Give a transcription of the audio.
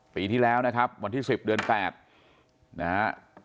ปีที่แล้วนะครับวันที่๑๐เดือน๘นะฮะ